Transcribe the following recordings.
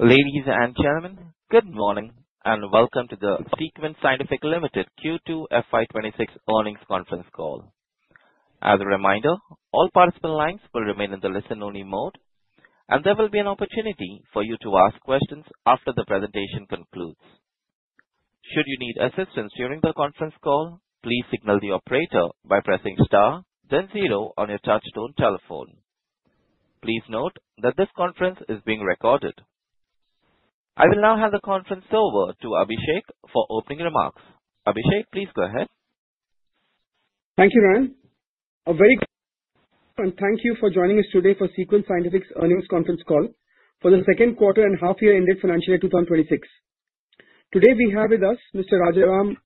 Ladies and gentlemen, good morning, and welcome to the SeQuent Scientific Limited Quarter Two FY 2026 earnings conference call. As a reminder, all participant lines will remain in the listen-only mode, and there will be an opportunity for you to ask questions after the presentation concludes. Should you need assistance during the conference call, please signal the operator by pressing star then zero on your touch-tone telephone. Please note that this conference is being recorded. I will now hand the conference over to Abhishek for opening remarks. Abhishek, please go ahead. Thank you Ryan. Thank you for joining us today for SeQuent Scientific's earnings conference call for the second quarter and half year ended FY 2026. Today we have with us Mr. Rajaram,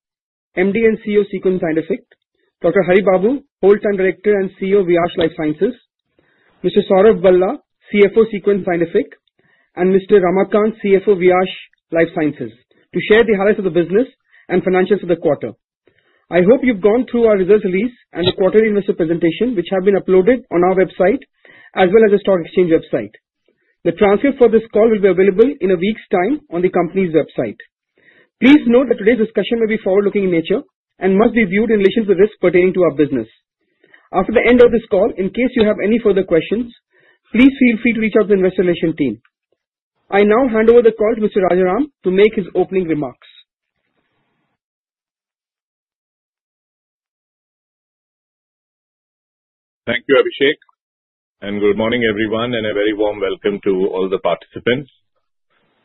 MD and CEO of SeQuent Scientific, Dr. Haribabu, Whole-time Director and CEO, Viyash Life Sciences, Mr. Saurav Bhala, CFO, SeQuent Scientific, and Mr. Ramakant, CFO, Viyash Life Sciences to share the highlights of the business and financials for the quarter. I hope you've gone through our results release and the quarter investor presentation, which have been uploaded on our website as well as the stock exchange website. The transcript for this call will be available in a week's time on the company's website. Please note that today's discussion will be forward-looking in nature and must be viewed in relation to risks pertaining to our business. After the end of this call, in case you have any further questions, please feel free to reach out to the investor relation team. I now hand over the call to Mr. Rajaram to make his opening remarks. Thank you Abhishek, good morning, everyone, and a very warm welcome to all the participants.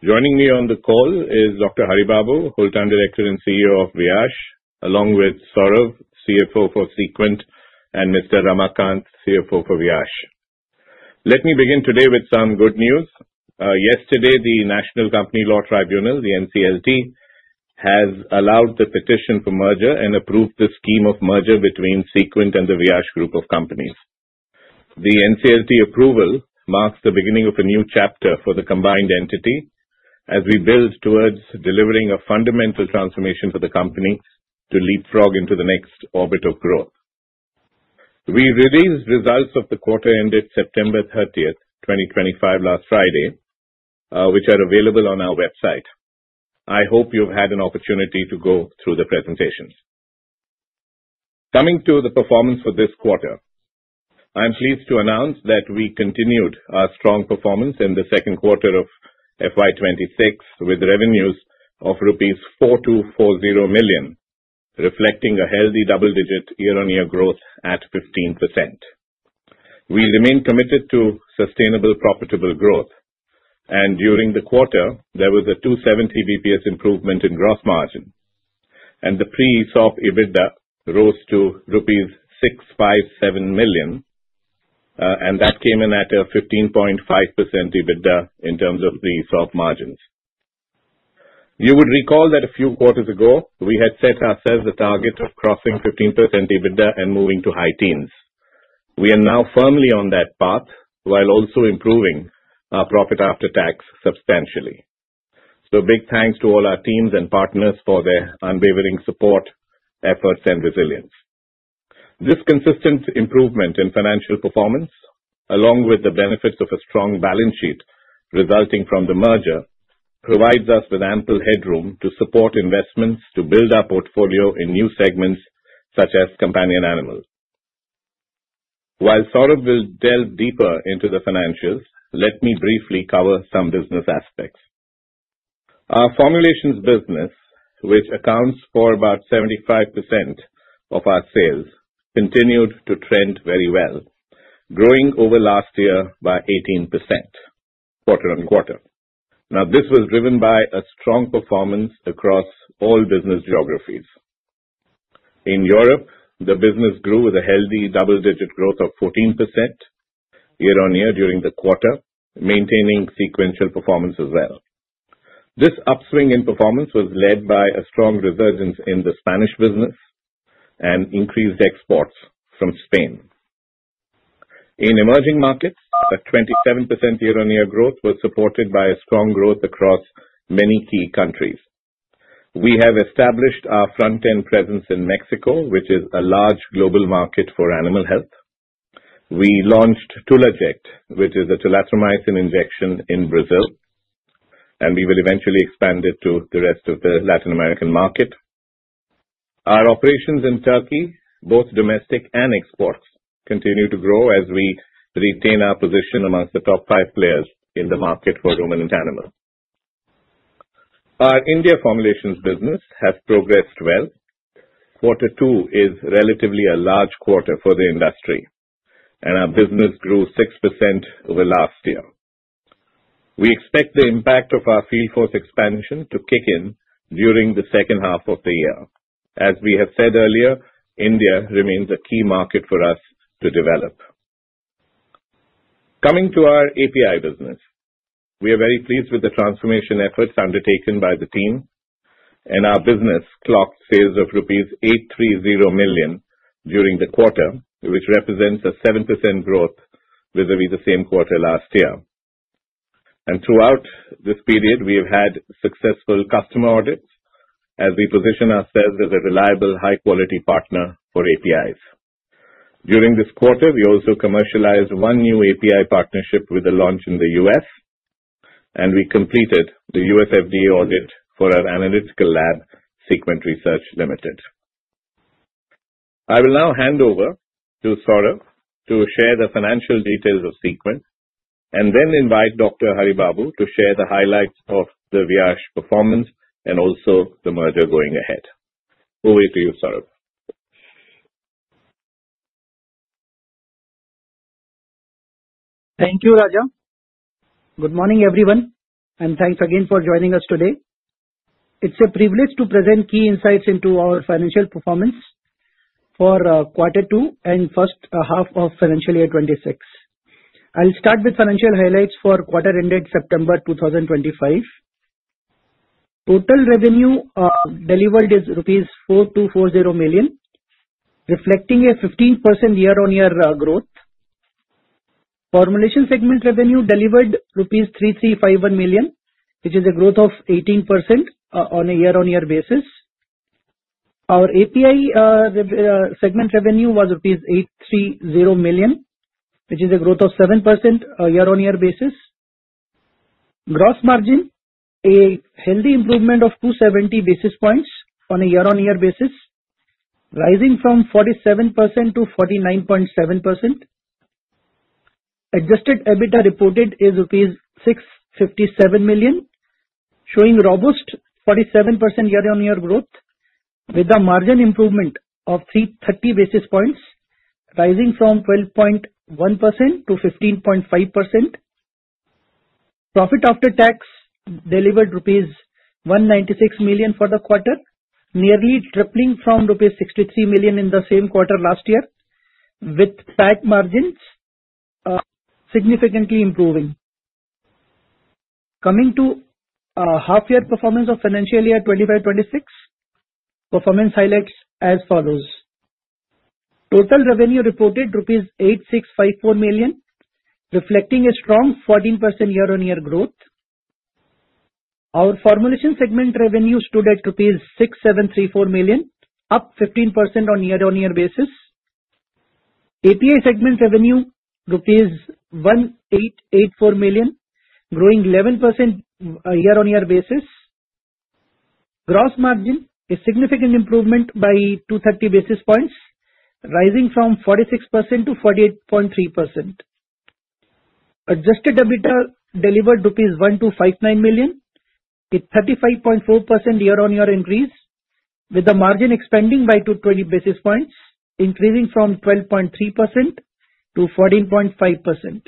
Joining me on the call is Dr. Haribabu, Whole-time Director and CEO of Viyash, along with Saurav Bhala, CFO for SeQuent, and Ramakant, CFO for Viyash. Let me begin today with some good news. Yesterday, the National Company Law Tribunal, the NCLT, has allowed the petition for merger and approved the scheme of merger between SeQuent and the Viyash group of companies. The NCLT approval marks the beginning of a new chapter for the combined entity as we build towards delivering a fundamental transformation for the company to leapfrog into the next orbit of growth. We released results of the quarter ended September 30th, 2025 last Friday, which are available on our website. I hope you've had an opportunity to go through the presentations. Coming to the performance for this quarter, I am pleased to announce that we continued our strong performance in the second quarter of FY 2026 with revenues of 4,240 million rupees, reflecting a healthy double-digit year-on-year growth at 15%. We remain committed to sustainable, profitable growth and during the quarter there was a 270 BPS improvement in gross margin and the pre-ESOP EBITDA rose to rupees 657 million, and that came in at a 15.5% EBITDA in terms of the ESOP margins. You would recall that a few quarters ago we had set ourselves a target of crossing 15% EBITDA and moving to high teens. We are now firmly on that path while also improving our profit after tax substantially. Big thanks to all our teams and partners for their unwavering support, efforts, and resilience. This consistent improvement in financial performance, along with the benefits of a strong balance sheet resulting from the merger, provides us with ample headroom to support investments to build our portfolio in new segments such as companion animals. While Saurav will delve deeper into the financials, let me briefly cover some business aspects. Our formulations business, which accounts for about 75% of our sales, continued to trend very well, growing over last year by 18% quarter-on-quarter. Now, this was driven by a strong performance across all business geographies. In Europe, the business grew with a healthy double-digit growth of 14% year-on-year during the quarter, maintaining sequential performance as well. This upswing in performance was led by a strong resurgence in the Spanish business and increased exports from Spain. In emerging markets, the 27% year-on-year growth was supported by a strong growth across many key countries. We have established our front-end presence in Mexico, which is a large global market for animal health. We launched Tulaject, which is a tulathromycin injection in Brazil, and we will eventually expand it to the rest of the Latin American market. Our operations in Turkey, both domestic and exports, continue to grow as we retain our position amongst the top five players in the market for ruminant animals. Our India formulations business has progressed well. Quarter two is relatively a large quarter for the industry and our business grew 6% over last year. We expect the impact of our field force expansion to kick in during the second half of the year. As we have said earlier, India remains a key market for us to develop. Coming to our API business, we are very pleased with the transformation efforts undertaken by the team and our business clocked sales of rupees 830 million during the quarter, which represents a 7% growth vis-à-vis the same quarter last year. Throughout this period, we have had successful customer audits as we position ourselves as a reliable high-quality partner for APIs. During this quarter, we also commercialized one new API partnership with a launch in the U.S., and we completed the U.S. FDA audit for our analytical lab, SeQuent Research Limited. I will now hand over to Saurav to share the financial details of SeQuent and then invite Dr. Haribabu to share the highlights of the Viyash performance and also the merger going ahead. Over to you, Saurav. Thank you Raja. Good morning, everyone, and thanks again for joining us today. It's a privilege to present key insights into our financial performance for quarter two and first half of financial year 2026. I'll start with financial highlights for quarter ending September 2025. Total revenue delivered is rupees 4,240 million, reflecting a 15% year-on-year growth. Formulation segment revenue delivered rupees 3,351 million, which is a growth of 18% on a year-on-year basis. Our API segment revenue was rupees 830 million, which is a growth of 7% on a year-on-year basis. Gross margin, a healthy improvement of 270 basis points on a year-on-year basis, rising from 47% to 49.7%. Adjusted EBITDA reported is rupees 657 million, showing robust 47% year-on-year growth with a margin improvement of 330 basis points, rising from 12.1% to 15.5%. Profit after tax delivered rupees 196 million for the quarter, nearly tripling from rupees 63 million in the same quarter last year, with tax margins significantly improving. Coming to half year performance of financial year 2025-2026, performance highlights as follows. Total revenue reported rupees 8,654 million, reflecting a strong 14% year-on-year growth. Our formulation segment revenue stood at rupees 6,734 million, up 15% on a year-on-year basis. API segment revenue, rupees 1,884 million, growing 11% year-on-year basis. Gross margin, a significant improvement by 230 basis points, rising from 46% to 48.3%. Adjusted EBITDA delivered rupees 1,259 million, a 35.4% year-on-year increase, with the margin expanding by 220 basis points, increasing from 12.3% to 14.5%.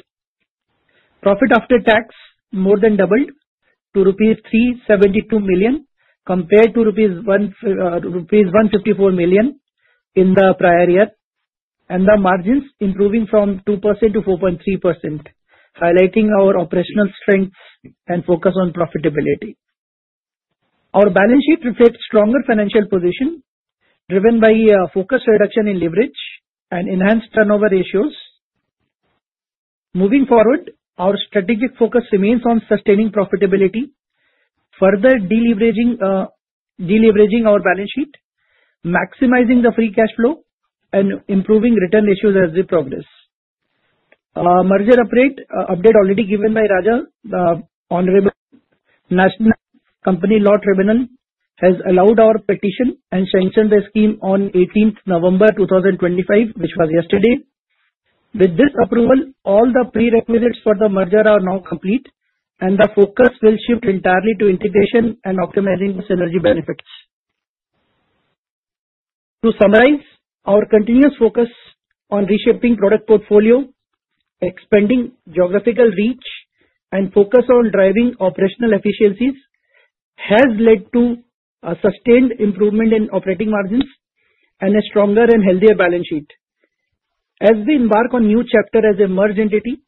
Profit after tax more than doubled to rupees 372 million, compared to 154 million in the prior year, and the margins improving from 2% to 4.3%, highlighting our operational strengths and focus on profitability. Our balance sheet reflects stronger financial position driven by a focused reduction in leverage and enhanced turnover ratios. Moving forward, our strategic focus remains on sustaining profitability, further deleveraging our balance sheet, maximizing the free cash flow and improving return ratios as we progress. Merger update already given by Raja. The honorable National Company Law Tribunal has allowed our petition and sanctioned the scheme on November 18th 2025, which was yesterday. With this approval, all the prerequisites for the merger are now complete, and the focus will shift entirely to integration and optimizing the synergy benefits. To summarize, our continuous focus on reshaping product portfolio, expanding geographical reach, and focus on driving operational efficiencies has led to a sustained improvement in operating margins and a stronger and healthier balance sheet. As we embark on a new chapter as a merged entity,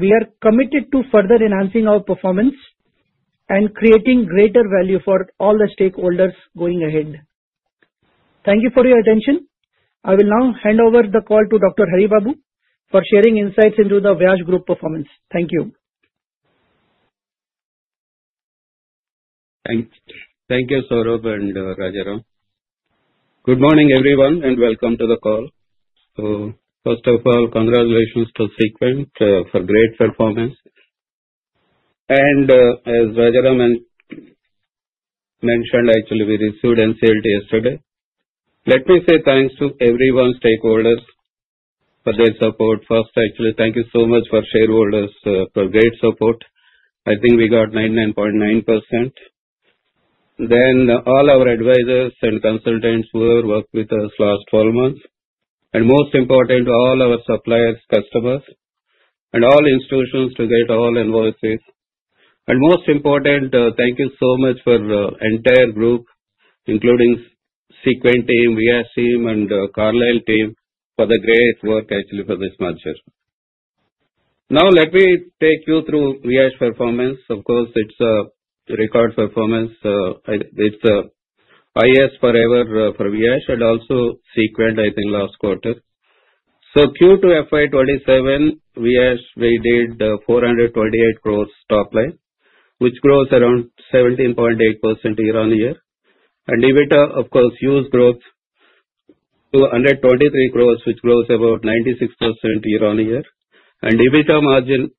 we are committed to further enhancing our performance and creating greater value for all the stakeholders going ahead. Thank you for your attention. I will now hand over the call to Dr. Haribabu for sharing insights into the Viyash group performance. Thank you. Thank you Saurav and Rajaram. Good morning, everyone, welcome to the call. First of all, congratulations to SeQuent for great performance. As Rajaram mentioned, actually, we received NCLT yesterday. Let me say thanks to everyone, stakeholders for their support. First, actually, thank you so much for shareholders for great support. I think we got 99.9%. All our advisors and consultants who have worked with us last 12 months, and most important, all our suppliers, customers, and all institutions to get all invoices. Most important, thank you so much for entire group, including SeQuent team, Viyash team, and Carlyle team for the great work actually for this merger. Now let me take you through Viyash performance. Of course, it's a record performance. It's highest forever for Viyash and also SeQuent, I think, last quarter. Q2 FY 2027, Viyash, we did 428 crores top line, which grows around 17.8% year-on-year. EBITDA, of course, huge growth to 123 crores, which grows about 96% year-on-year. EBITDA margin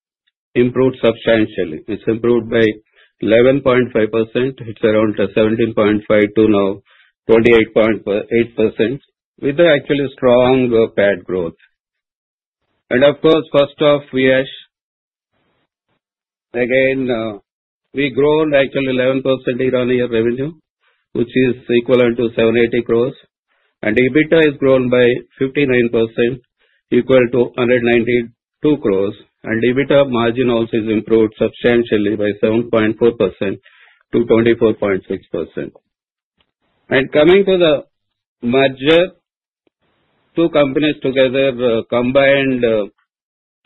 improved substantially. It's improved by 11.5%, it's around 17.5% to now 28.8%, with actually strong PAT growth. Of course, first off, Viyash, again, we grown actually 11% year-on-year revenue, which is equivalent to 780 crores. EBITDA is grown by 59%, equal to 192 crores. EBITDA margin also has improved substantially by 7.4% to 24.6%. Coming to the merger, two companies together combined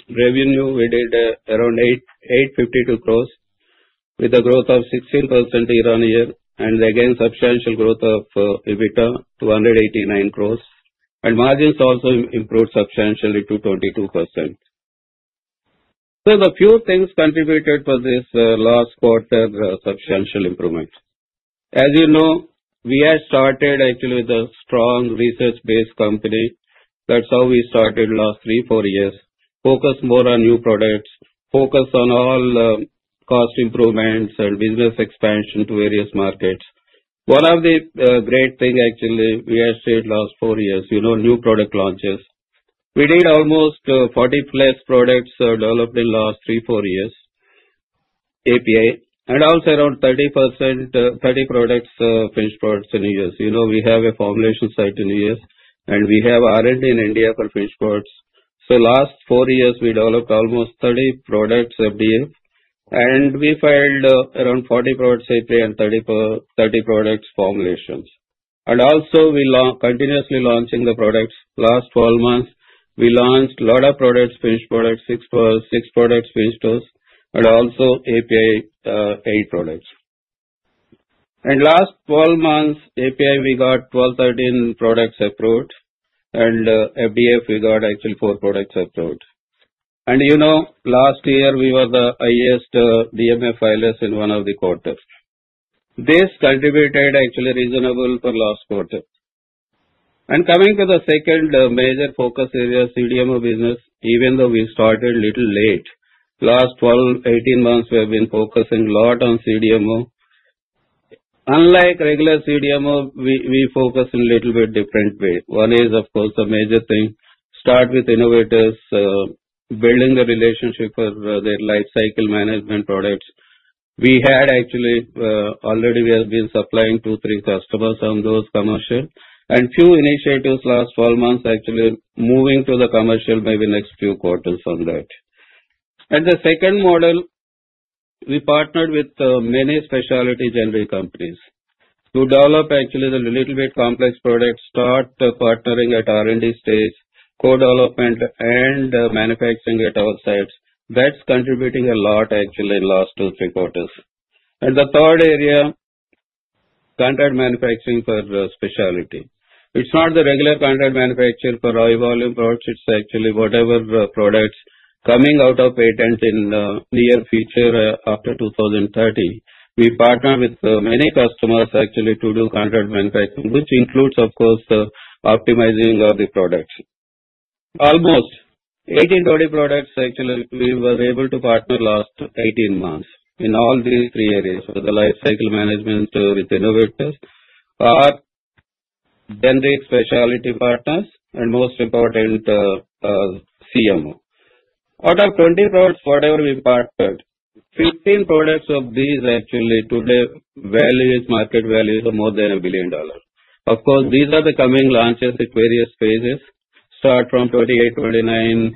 revenue, we did around 852 crores with a growth of 16% year-on-year, and again, substantial growth of EBITDA to 189 crores. Margins also improved substantially to 22%. The few things contributed for this last quarter substantial improvements. As you know, Viyash started actually as a strong research-based company. That's how we started last three, four years. Focus more on new products, focus on all cost improvements and business expansion to various markets. One of the great thing actually we achieved last four years, new product launches. We did almost 40-plus products developed in last three, four years, API, and also around 30 products, finished products in U.S. We have a formulation site in U.S., and we have R&D in India for finished products. Last four years, we developed almost 30 products, FDF, and we filed around 40 products API, and 30 products formulations. Also we continuously launching the products. Last 12 months, we launched lot of products, finished products, six products finished goods, and also API, eight products. Last 12 months, API, we got 12-13 products approved, FDF we got actually four products approved. You know, last year we were the highest DMF filers in one of the quarters. This contributed actually reasonable for last quarter. Coming to the second major focus area, CDMO business, even though we started little late. Last 12-18 months, we have been focusing a lot on CDMO. Unlike regular CDMO, we focus in little bit different way. One is, of course, a major thing, start with innovators, building the relationship for their life cycle management products. Actually, already we have been supplying to three customers on those commercial. Few initiatives last 12 months, actually moving to the commercial maybe next few quarters on that. The second model, we partnered with many specialty generic companies to develop actually the little bit complex products, start partnering at R&D stage, co-development and manufacturing at our sites. That's contributing a lot actually in last two-three quarters. The third area, contract manufacturing for specialty. It's not the regular contract manufacture for high volume products, it's actually whatever products coming out of patent in near future after 2030. We partner with many customers actually to do contract manufacturing, which includes, of course, optimizing of the products. Almost 18-20 products, actually, we were able to partner last 18 months in all these three areas. The life cycle management with innovators, or generic specialty partners, and most important, CMO. Out of 20 products, whatever we partnered, 15 products of these actually today market value is more than INR 1 billion. These are the coming launches at various phases, start from 2028-2029.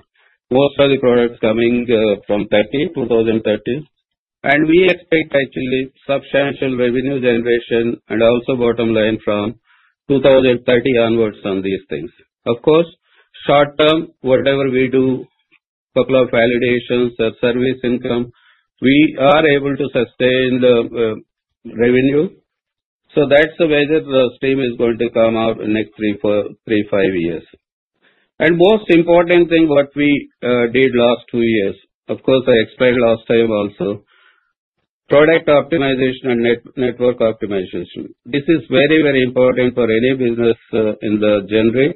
Most of the products coming from 2030. We expect actually substantial revenue generation and also bottom line from 2030 onwards on these things. Short term, whatever we do, couple of validations or service income, we are able to sustain the revenue. That's the way the stream is going to come out in next three, five years. Most important thing what we did last two years, of course, I explained last time also, product optimization and network optimization. This is very important for any business in the generic.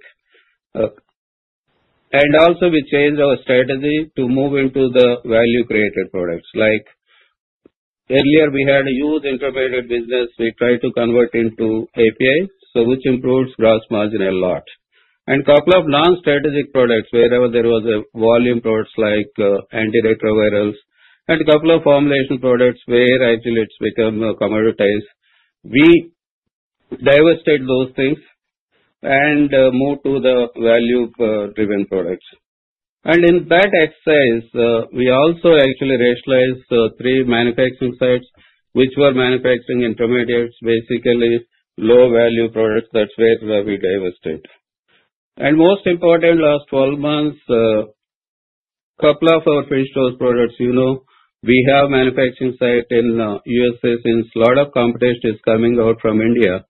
Also we changed our strategy to move into the value-created products. Like earlier we had a huge intermediate business, we tried to convert into API, which improves gross margin a lot. Couple of non-strategic products, wherever there was a volume products like antiretrovirals and a couple of formulation products where actually it's become commoditized, we divested those things and moved to the value-driven products. In that exercise, we also actually rationalized three manufacturing sites which were manufacturing intermediates, basically low-value products. That's where we divested. Most important, last 12 months, couple of our finished goods products, we have manufacturing site in the U.S. since a lot of competition is coming out from India.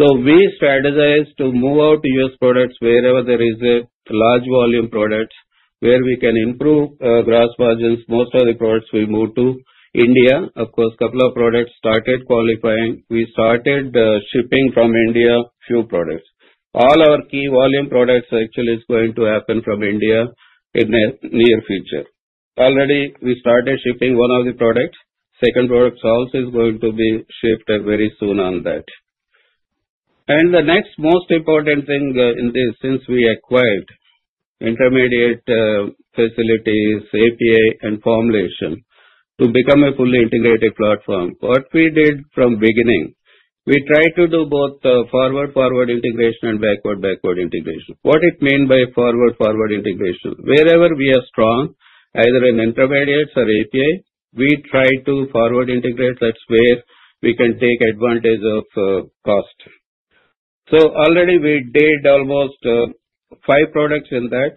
We strategize to move out U.S. products wherever there is a large volume product, where we can improve gross margins. Most of the products will move to India. Of course, couple of products started qualifying. We started shipping from India, few products. All our key volume products actually is going to happen from India in the near future. Already we started shipping one of the products. Second product also is going to be shifted very soon on that. The next most important thing in this, since we acquired intermediate facilities, API and formulation to become a fully integrated platform, what we did from beginning, we tried to do both forward-forward integration and backward-backward integration. What it mean by forward-forward integration? Wherever we are strong, either in intermediates or API, we try to forward integrate. That's where we can take advantage of cost. Already we did almost five products in that.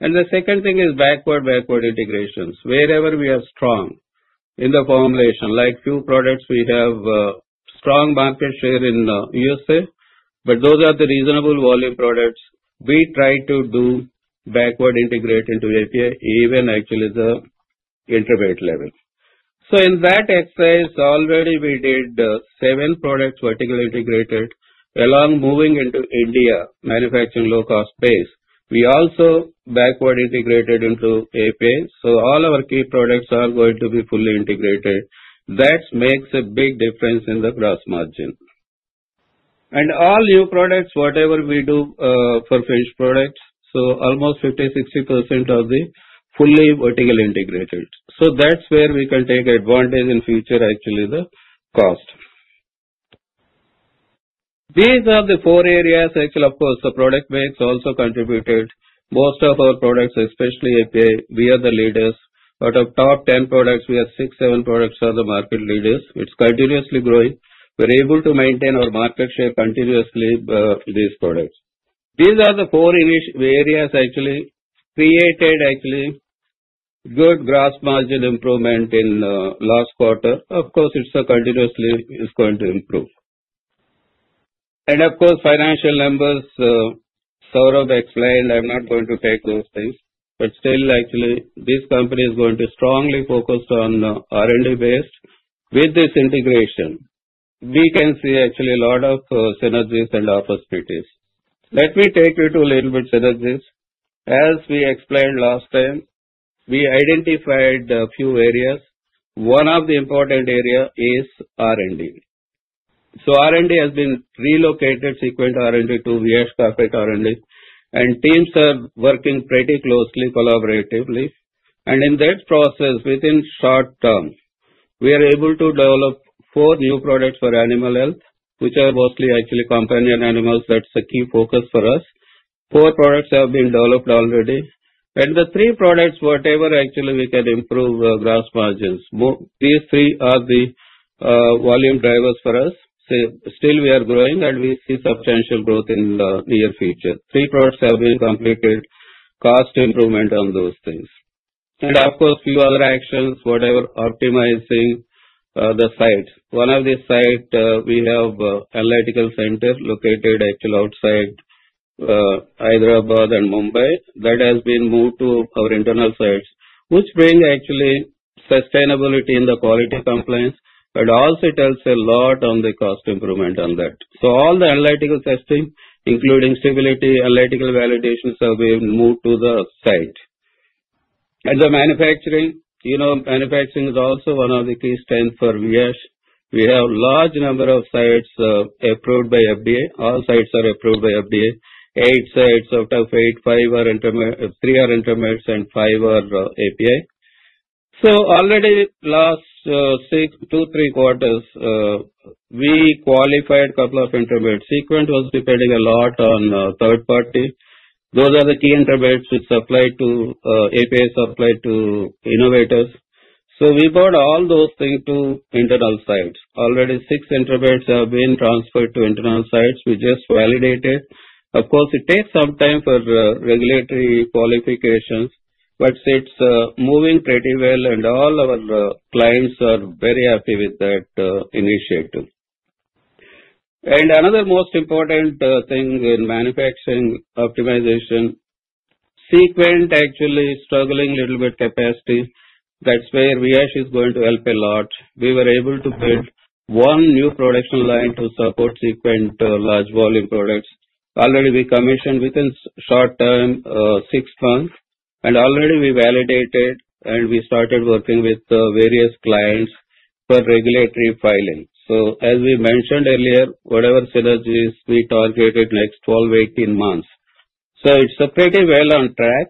The second thing is backward-backward integrations. Wherever we are strong in the formulation, like few products we have strong market share in the U.S., but those are the reasonable volume products, we try to do backward integrate into API, even actually the intermediate level. In that exercise, already we did seven products vertically integrated along moving into India, manufacturing low-cost base. We also backward integrated into API, so all our key products are going to be fully integrated. That makes a big difference in the gross margin. All new products, whatever we do for finished products, so almost 50%-60% of the fully vertically integrated. That's where we can take advantage in future actually the cost. These are the four areas, actually, of course, the product mix also contributed. Most of our products, especially API, we are the leaders. Out of top 10 products, we have six, seven products are the market leaders. It's continuously growing. We're able to maintain our market share continuously for these products. These are the four areas actually created good gross margin improvement in last quarter. Of course, it's continuously going to improve. Of course, financial numbers, Saurav explained, I'm not going to take those things, but still actually this company is going to strongly focus on R&D based. With this integration, we can see actually a lot of synergies and opportunities. Let me take you to little bit synergies. As we explained last time, we identified a few areas. One of the important area is R&D. R&D has been relocated, SeQuent R&D to Viyash Corporate R&D, and teams are working pretty closely collaboratively. In that process, within short term, we are able to develop four new products for animal health, which are mostly actually companion animals. That's a key focus for us. Four products have been developed already. The three products, whatever actually we can improve gross margins. These three are the volume drivers for us. Still we are growing and we see substantial growth in the near future. Three products have been completed, cost improvement on those things. Of course, few other actions, whatever optimizing the sites. One of the site we have analytical center located actually outside Hyderabad and Mumbai. That has been moved to our internal sites, which bring actually sustainability in the quality compliance, but also it helps a lot on the cost improvement on that. All the analytical testing, including stability, analytical validation have been moved to the site. The manufacturing, you know manufacturing is also one of the key strength for Viyash. We have large number of sites approved by FDA. All sites are approved by FDA. eight sites out of eight, three are intermediates and five are API. Already last two-three quarters, we qualified couple of intermediates. SeQuent was depending a lot on third party. Those are the key intermediates which supply to API, supply to innovators. We brought all those things to internal sites. Already six intermediates have been transferred to internal sites. We just validated. Of course, it takes some time for regulatory qualifications, but it's moving pretty well and all our clients are very happy with that initiative. Another most important thing in manufacturing optimization, SeQuent actually struggling little bit capacity. That's where Viyash is going to help a lot. We were able to build one new production line to support SeQuent large volume products. Already we commissioned within short term, six months, and already we validated and we started working with various clients for regulatory filing. As we mentioned earlier, whatever synergies we targeted next 12-18 months. It is pretty well on track.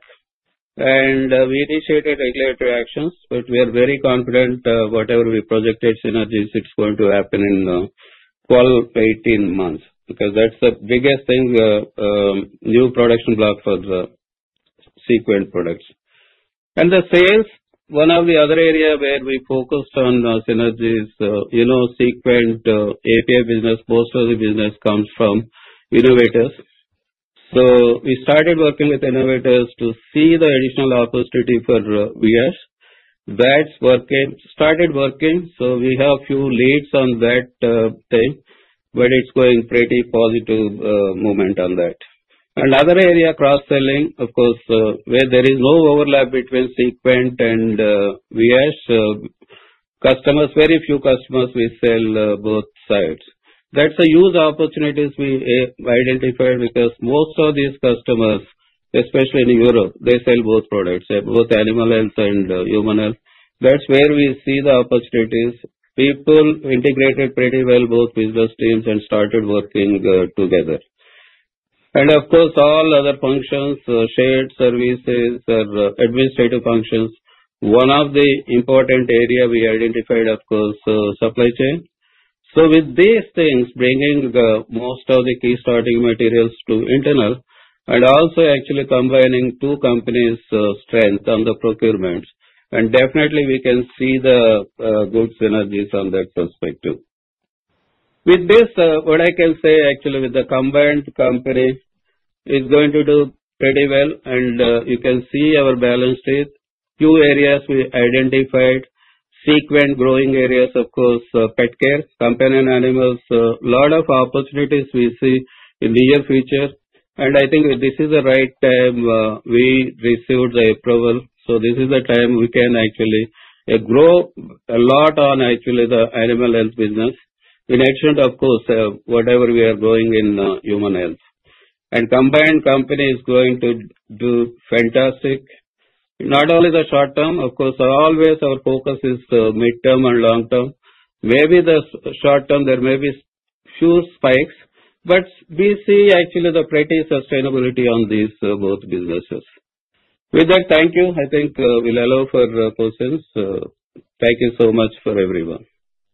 We initiated regulatory actions. We are very confident whatever we projected synergies, it is going to happen in 12-18 months. That is the biggest thing, new production block for the SeQuent products. The sales, one of the other area where we focused on synergies, you know SeQuent API business, most of the business comes from innovators. We started working with innovators to see the additional opportunity for Viyash. That started working. We have few leads on that thing. It is going pretty positive movement on that. Other area, cross-selling, of course, where there is no overlap between SeQuent and Viyash. Very few customers we sell both sides. That is a huge opportunities we identified because most of these customers, especially in Europe, they sell both products, both animal health and human health. That is where we see the opportunities. People integrated pretty well, both business teams, and started working together. Of course, all other functions, shared services or administrative functions. One of the important area we identified, of course, supply chain. With these things, bringing the most of the key starting materials to internal and also actually combining two companies' strength on the procurements. Definitely we can see the good synergies from that perspective. With this, what I can say actually with the combined companies, is going to do pretty well. You can see our balance sheet. Two areas we identified. SeQuent growing areas, of course, pet care, companion animals. A lot of opportunities we see in near future. I think this is the right time we received the approval. This is the time we can actually grow a lot on actually the animal health business in addition, of course, whatever we are growing in human health. Combined company is going to do fantastic. Not only the short term, of course, always our focus is mid-term and long term. Maybe the short term, there may be few spikes, but we see actually the pretty sustainability on these both businesses. With that, thank you. I think we'll allow for questions. Thank you so much for everyone.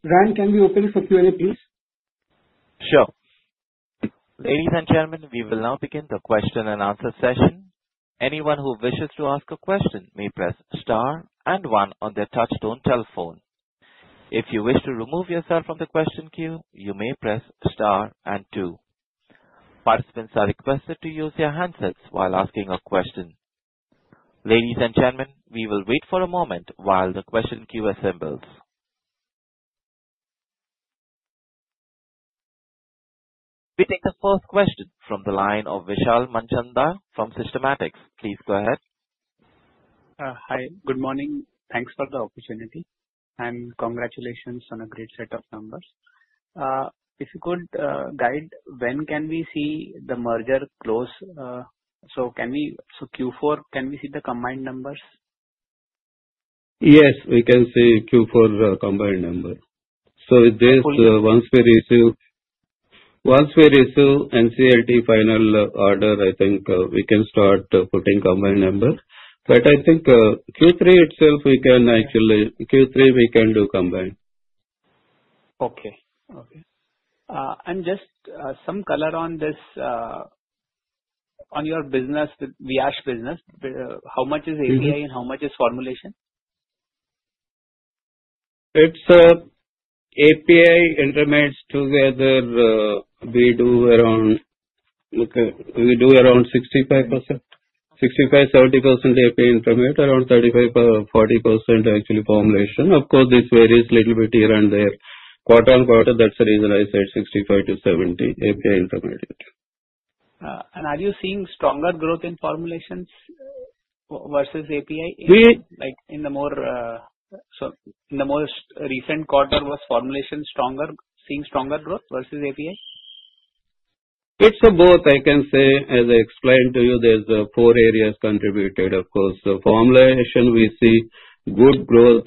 Ryan, can we open for Q&A, please? Sure. Ladies and gentlemen, we will now begin the question and answer session. Ladies and gentlemen, we will wait for a moment while the question queue assembles. We take the first question from the line of Vishal Manchanda from Systematix. Please go ahead. Hi. Good morning. Thanks for the opportunity and congratulations on a great set of numbers. If you could guide when can we see the merger close? Q4, can we see the combined numbers? Yes, we can see Q4 combined number. Once we receive NCLT final order, I think we can start putting combined number. I think Q3 itself we can actually do combined. Okay. Just some color on your Viyash business. How much is API and how much is formulation? It's API intermediates together, we do around 65%-70% API intermediate. Around 35%-40% actually formulation. Of course, this varies little bit here and there quarter on quarter. That's the reason I said 65-70 API intermediate. Are you seeing stronger growth in formulations versus API? In the most recent quarter, was formulation seeing stronger growth versus API? It's both, I can say. As I explained to you, there's four areas contributed. Of course, the formulation we see good growth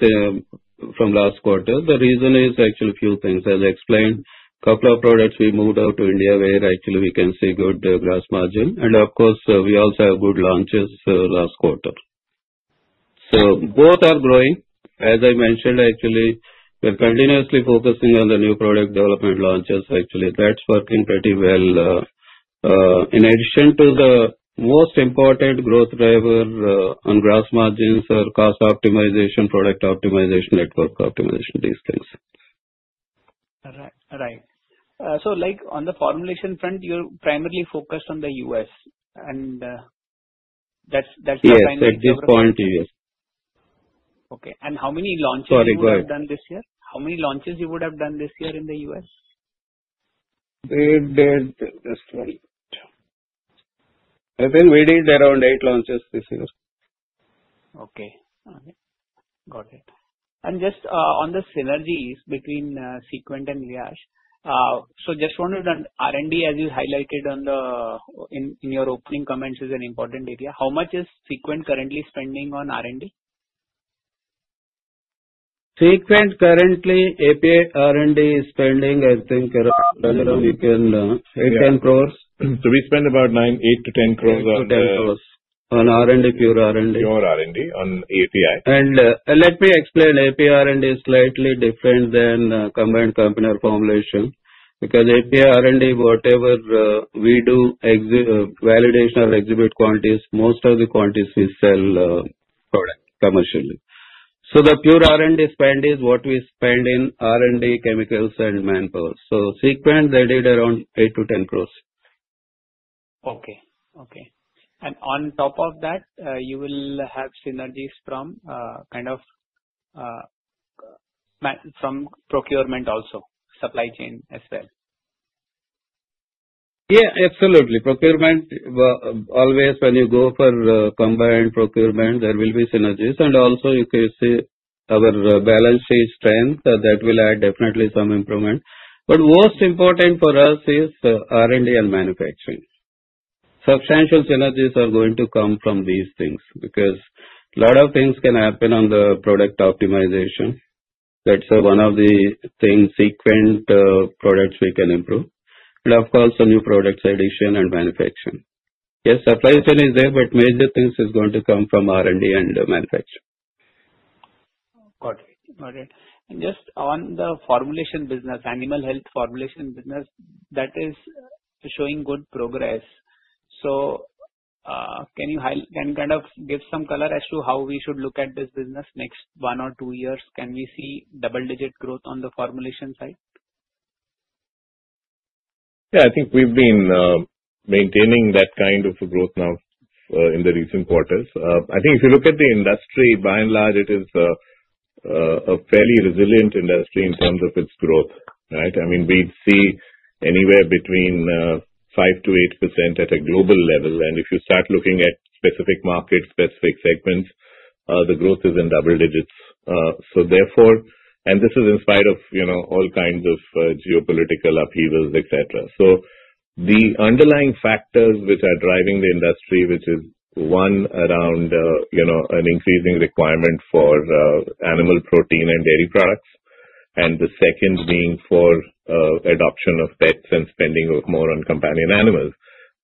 from last quarter. The reason is actually a few things. As I explained, couple of products we moved out to India, where actually we can see good gross margin. Of course, we also have good launches last quarter. Both are growing. As I mentioned, actually, we're continuously focusing on the new product development launches. Actually, that's working pretty well. In addition to the most important growth driver on gross margins or cost optimization, product optimization, network optimization these things. Right. On the formulation front, you're primarily focused on the U.S., and that's the primary driver. Yes. At this point to U.S. Okay. How many launches you would have done this year? How many launches you would have done this year in the U.S.? Just one minute. I think we did around eight launches this year. Okay. Got it. Just on the synergies between SeQuent and Viyash. R&D, as you highlighted in your opening comments, is an important area. How much is SeQuent currently spending on R&D? SeQuent currently, API R&D is spending, I think around 10 crores. We spend about 8 crores-10 crores. 8 crores-10 crores on R&D, pure R&D. Pure R&D on API. Let me explain. API R&D is slightly different than combined company formulation because API R&D, whatever we do, validation or exhibit quantities, most of the quantities we sell commercially. The pure R&D spend is what we spend in R&D, chemicals, and manpower. SeQuent they did around 8-10 crores. Okay. On top of that, you will have synergies from procurement also, supply chain as well. Yeah, absolutely. Procurement, always when you go for combined procurement, there will be synergies and also you can see our balance sheet strength, that will add definitely some improvement. Most important for us is R&D and manufacturing. Substantial synergies are going to come from these things, because a lot of things can happen on the product optimization. That's one of the things, SeQuent products we can improve. Of course, the new products addition and manufacturing. Yes, supply chain is there, major things is going to come from R&D and manufacturing. Got it. Just on the formulation business, animal health formulation business, that is showing good progress. Can you give some color as to how we should look at this business next one or two years? Can we see double-digit growth on the formulation side? I think we've been maintaining that kind of a growth now in the recent quarters. I think if you look at the industry, by and large, it is a fairly resilient industry in terms of its growth. Right? We'd see anywhere between 5%-8% at a global level, and if you start looking at specific markets, specific segments, the growth is in double digits. This is in spite of all kinds of geopolitical upheavals, et cetera. The underlying factors which are driving the industry, which is one, around an increasing requirement for animal protein and dairy products, and the second being for adoption of pets and spending more on companion animals.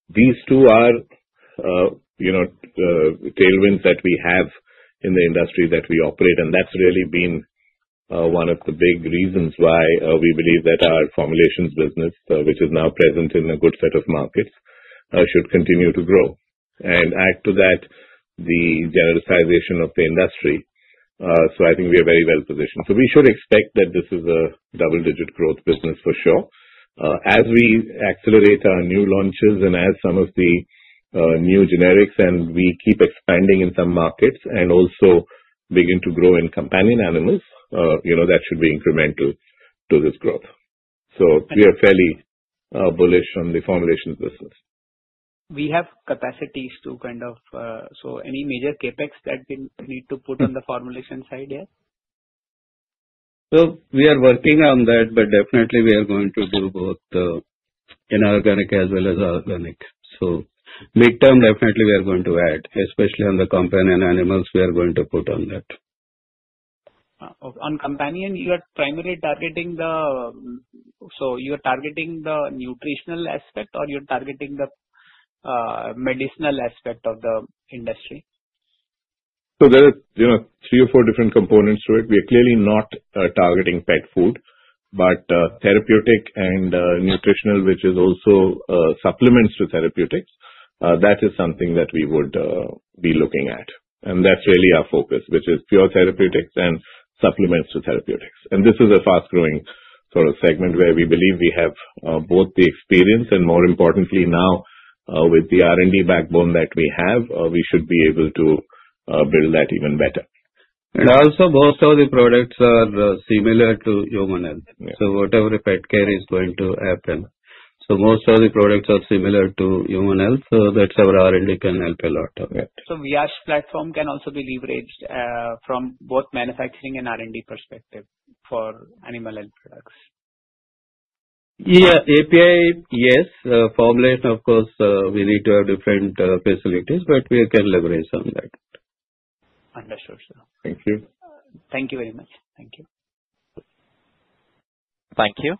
These two are tailwinds that we have in the industry that we operate, and that's really been one of the big reasons why we believe that our formulations business, which is now present in a good set of markets, should continue to grow. Add to that, the genericization of the industry. I think we are very well-positioned. We should expect that this is a double-digit growth business for sure. As we accelerate our new launches and add some of the new generics, and we keep expanding in some markets and also begin to grow in companion animals, that should be incremental to this growth. We are fairly bullish on the formulations business. We have capacities to any major CapEx that we need to put on the formulation side there? We are working on that, but definitely we are going to do both the inorganic as well as organic. Midterm, definitely we are going to add, especially on the companion animals, we are going to put on that. On companion, you're targeting the nutritional aspect or you're targeting the medicinal aspect of the industry? There are three or four different components to it. We're clearly not targeting pet food, but therapeutic and nutritional, which is also supplements to therapeutics. That is something that we would be looking at, and that's really our focus, which is pure therapeutics and supplements to therapeutics. This is a fast-growing sort of segment where we believe we have both the experience, and more importantly now, with the R&D backbone that we have, we should be able to build that even better. Also, most of the products are similar to human health. Yeah. Whatever pet care is going to happen. Most of the products are similar to human health, so that's our R&D can help a lot of it. Viyash platform can also be leveraged from both manufacturing and R&D perspective for animal health products. Yeah. API, yes. Formulation, of course, we need to have different facilities, but we can leverage on that. Understood, sir. Thank you. Thank you very much. Thank you. Thank you.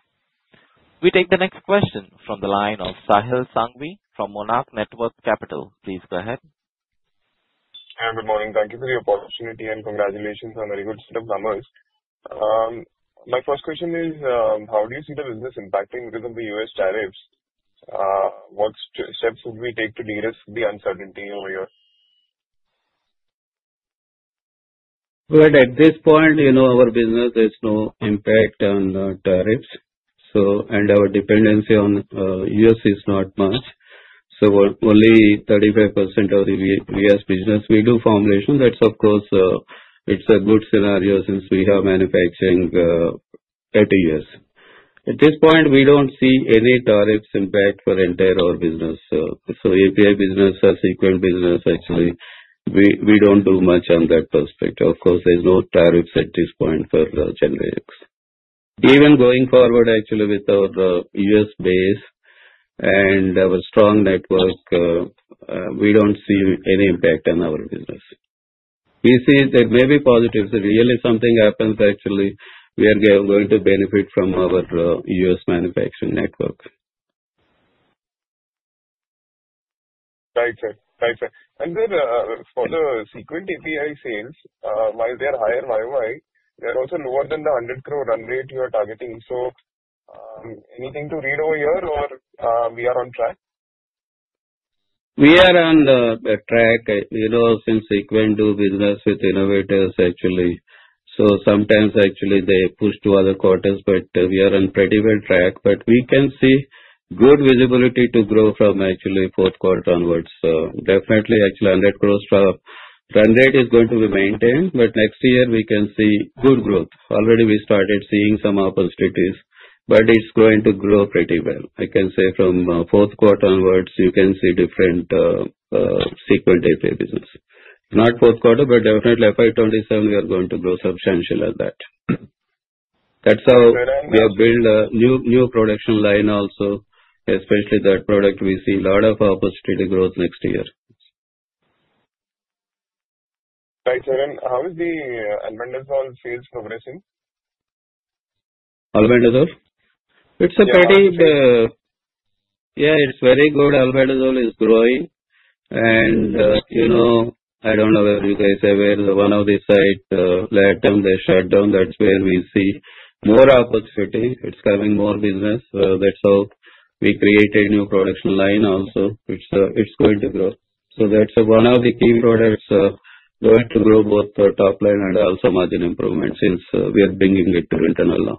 We take the next question from the line of Sahil Sanghvi from Monarch Networth Capital. Please go ahead. Yeah, good morning. Thank you for the opportunity. Congratulations on very good set of numbers. My first question is, how do you see the business impacting because of the U.S. tariffs? What steps would we take to de-risk the uncertainty over here? Well, at this point, our business, there's no impact on tariffs. Our dependency on U.S. is not much. Only 35% of the U.S. business, we do formulation. That's, of course, it's a good scenario since we have manufacturing at U.S. At this point, we don't see any tariffs impact for entire our business. API business or SeQuent business, actually, we don't do much on that perspective. Of course, there's no tariffs at this point for generics. Even going forward actually with our U.S. base and our strong network, we don't see any impact on our business. We see there may be positives. If really something happens, actually, we are going to benefit from our U.S. manufacturing network. Right, sir. For the SeQuent API sales, while they are higher YOY, they are also lower than the 100 crore run rate you are targeting. Anything to read over here or we are on track? We are on the track since SeQuent do business with innovators, actually. Sometimes, actually, they push to other quarters, but we are on pretty well track. We can see good visibility to grow from actually fourth quarter onwards. Definitely, actually 100 crore run rate is going to be maintained, but next year we can see good growth. Already we started seeing some opportunities, but it is going to grow pretty well. I can say from fourth quarter onwards, you can see different SeQuent API business. Not fourth quarter, but definitely FY 2027, we are going to grow substantially like that. That is how we have built a new production line also, especially that product, we see a lot of opportunity to grow next year. Right, Rajaram. How is the albendazole sales progressing? Albendazole? Yeah. Yeah, it's very good. Albendazole is growing. I don't know whether you guys aware, one of the site, last time they shut down. That's where we see more opportunity. It's having more business. That's how we created a new production line also, which it's going to grow. That's one of the key products going to grow both top line and also margin improvement, since we are bringing it to internal now.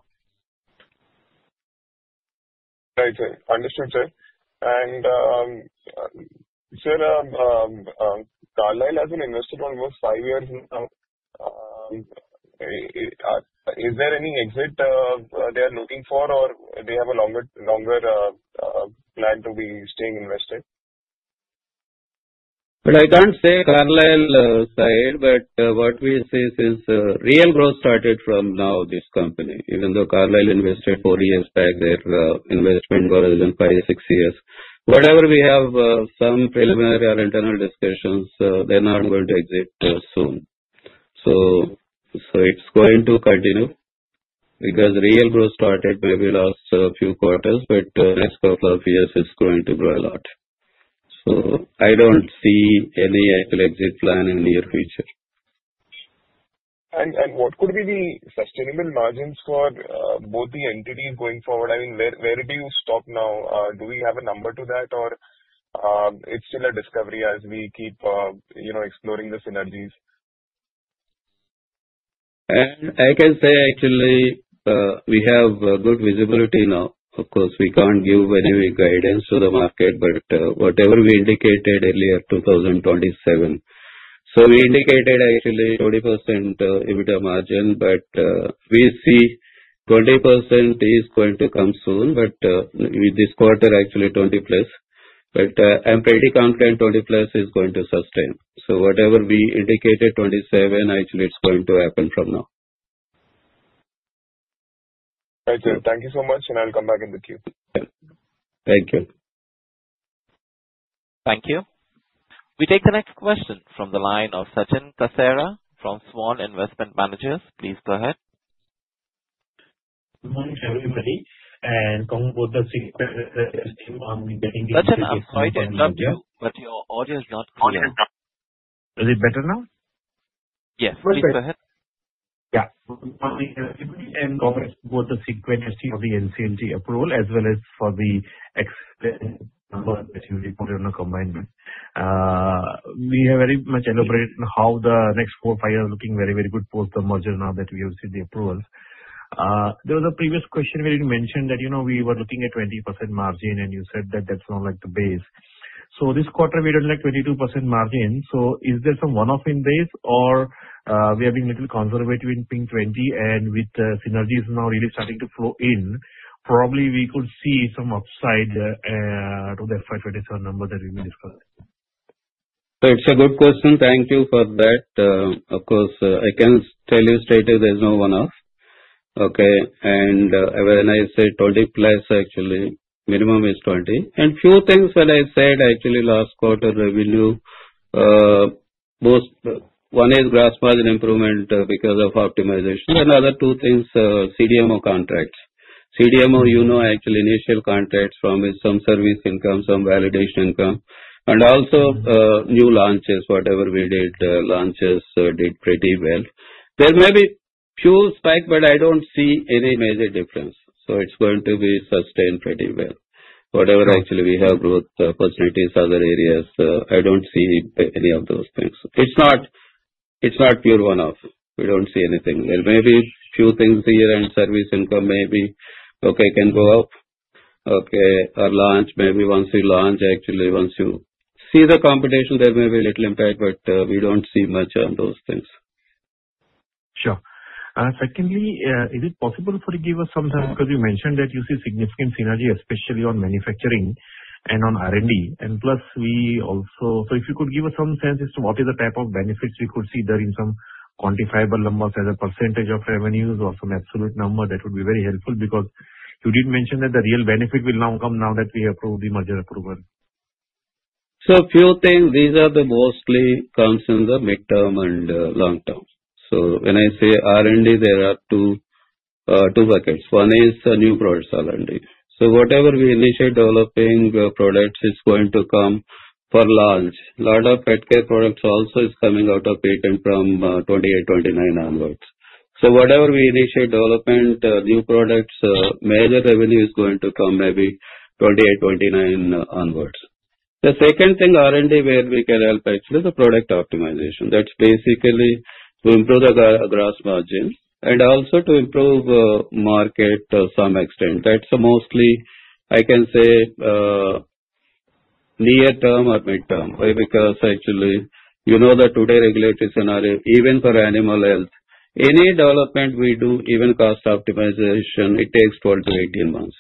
Right, sir. Understood, sir. Sir, Carlyle has been invested almost five years now. Is there any exit they're looking for or they have a longer plan to be staying invested? Well, I can't say Carlyle side, but what we see since real growth started from now, this company. Even though Carlyle invested four years back, their investment horizon five, six years. Whatever we have some preliminary or internal discussions, they're not going to exit soon. It's going to continue, because real growth started maybe last few quarters, but next couple of years it's going to grow a lot. I don't see any exit plan in near future. What could be the sustainable margins for both the entities going forward? Where do you stop now? Do we have a number to that or it's still a discovery as we keep exploring the synergies? I can say, actually, we have good visibility now. Of course, we can't give any guidance to the market, but whatever we indicated earlier 2027. We indicated actually 20% EBITDA margin, but we see 20% is going to come soon, but with this quarter actually 20+. I'm pretty confident 20+ is going to sustain. Whatever we indicated 2027, actually it's going to happen from now. Right, sir. Thank you so much, and I'll come back in the queue. Thank you. Thank you. We take the next question from the line of Sachin Kasera from Svan Investment Managers. Please go ahead. Good morning, everybody, and on behalf of the SeQuent team. Sachin, I can't hear you. Your audio is not clear. Is it better now? Yes. Please go ahead. Good morning, everybody, congrats to both the SeQuent team for the NCLT approval as well as for the excellent number that you reported on the combined. We have very much celebrated how the next four, five years looking very, very good post the merger now that we have seen the approvals. There was a previous question where you'd mentioned that we were looking at 20% margin, you said that that's more like the base. This quarter we did like 22% margin. Is there some one-off in base or we have been little conservative in pegging 20%, with synergies now really starting to flow in, probably we could see some upside to the FY 2027 number that we've been discussing. It's a good question. Thank you for that. Of course, I can tell you straight away there's no one-off. Okay. When I say 20+, actually, minimum is 20. Few things that I said actually last quarter revenue, one is gross margin improvement because of optimization. Other two things, CDMO contracts. CDMO, you know, actually initial contracts from some service income, some validation income. Also new launches, whatever we did, launches did pretty well. There may be few spike, but I don't see any major difference, so it's going to be sustained pretty well. Whatever actually we have growth opportunities other areas, I don't see any of those things. It's not pure one-off. We don't see anything. There may be few things here and service income may be, okay, can go up. Okay. Launch, maybe once we launch, actually, once you see the competition, there may be little impact, but we don't see much on those things. Sure. Secondly, is it possible for you give us some time, because you mentioned that you see significant synergy, especially on manufacturing and on R&D. If you could give us some sense as to what is the type of benefits we could see there in some quantifiable numbers as a percentage of revenues or some absolute number, that would be very helpful, because you did mention that the real benefit will now come now that we approve the merger approval. Few things, these are the mostly comes in the midterm and long term. When I say R&D, there are two buckets. One is new product R&D. Whatever we initiate developing products is going to come for launch. Lot of pet care products also is coming out of patent from 2028, 2029 onwards. Whatever we initiate development, new products, major revenue is going to come maybe 2028, 2029 onwards. The second thing, R&D, where we can help actually is the product optimization. That's basically to improve the gross margins and also to improve market to some extent. That's mostly, I can say, near term or midterm, because actually, you know that today regulatory scenario, even for animal health, any development we do, even cost optimization, it takes 12-18 months.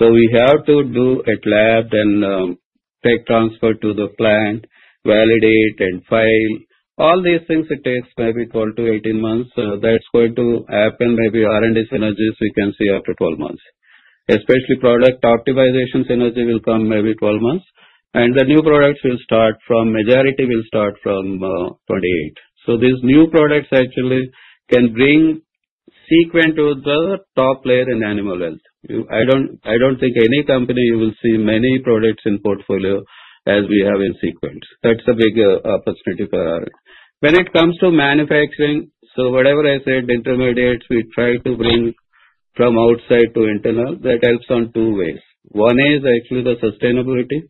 We have to do at lab, then tech transfer to the plant, validate, and file. All these things, it takes maybe 12 to 18 months. That's going to happen, maybe R&D synergies we can see after 12 months. Especially product optimization synergy will come maybe 12 months, and the new products, majority will start from 2028. These new products actually can bring SeQuent to the top layer in animal health. I don't think any company you will see many products in portfolio as we have in SeQuent. That's a big opportunity for us. When it comes to manufacturing, whatever I said, intermediates, we try to bring from outside to internal. That helps on two ways. One is actually the sustainability,